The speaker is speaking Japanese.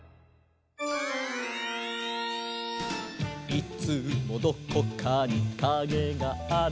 「いつもどこかにカゲがある」